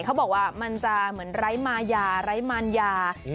เขาบอกว่ามันจะเหมือนไร้มายาไร้มารยา